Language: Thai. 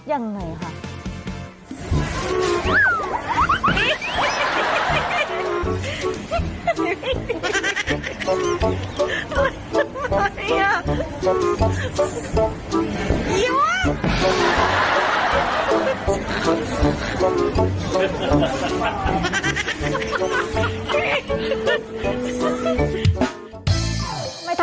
อย่างไหนค่ะ